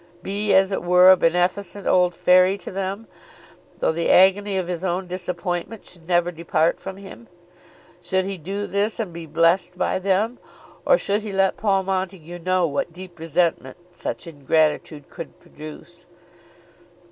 Be as it were a beneficent old fairy to them, though the agony of his own disappointment should never depart from him? Should he do this, and be blessed by them, or should he let Paul Montague know what deep resentment such ingratitude could produce?